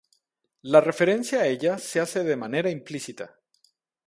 La referencia a ella se hace de manera implícita.